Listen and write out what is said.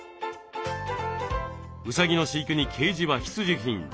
うさぎの飼育にケージは必需品。